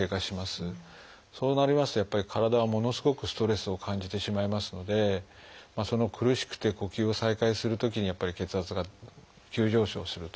そうなりますとやっぱり体はものすごくストレスを感じてしまいますので苦しくて呼吸を再開するときに血圧が急上昇するということですね。